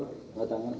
tidak ada tangan